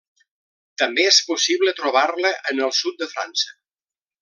També és possible trobar-la en el sud de França.